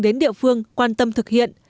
đến địa phương quan tâm thực hiện